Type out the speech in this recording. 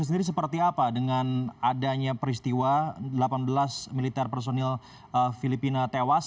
sendiri seperti apa dengan adanya peristiwa delapan belas militer personil filipina tewas